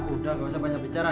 sudah tidak usah banyak bicara